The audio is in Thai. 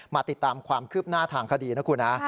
ติดตามความคืบหน้าทางคดีนะคุณฮะ